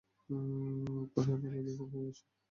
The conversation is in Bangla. অপরাহ্বের আলো ধূসর হয়ে আসে।